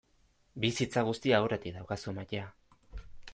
Bizitza guztia aurretik daukazu maitea.